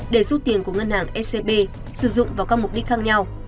để rút tiền của ngân hàng scb sử dụng vào các mục đích khác nhau